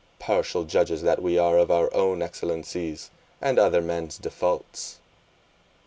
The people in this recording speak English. Partial judges that we are of our own excellencies, and other men's defaults!